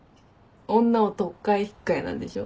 女を取っ換え引っ換えなんでしょ？